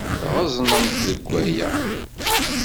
Tɣeẓnemt deg waya.